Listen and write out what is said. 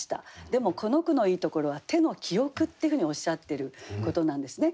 でもこの句のいいところは「手の記憶」ってふうにおっしゃってることなんですね。